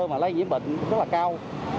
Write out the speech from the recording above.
mà lây nhiễm bệnh rất là cao